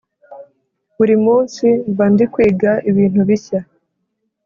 buri munsi mba ndi kwiga ibintu bishya,